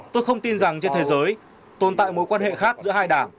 tôi không tin rằng trên thế giới tồn tại mối quan hệ khác giữa hai đảng